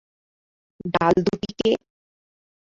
ডাল দুটি কে?